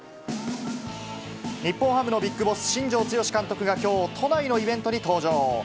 日本ハムのビッグボス、新庄剛志監督がきょう、都内のイベントに登場。